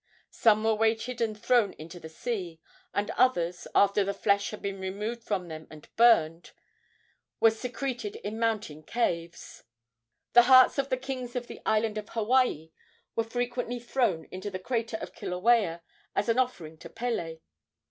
Some were weighted and thrown into the sea, and others, after the flesh had been removed from them and burned, were secreted in mountain caves. The hearts of the kings of the island of Hawaii were frequently thrown into the crater of Kilauea as an offering to Pele.